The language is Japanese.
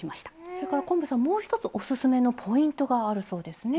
それから昆布さんもう１つおすすめのポイントがあるそうですね。